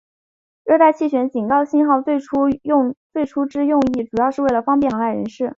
热带气旋警告信号最初之用意主要是为了方便航海人士。